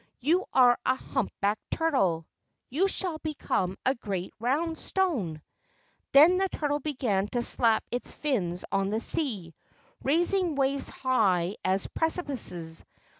You are a humpbacked turtle; you shall become a* great round stone." Then the turtle began to slap its fins on the sea, raising waves high as precipices.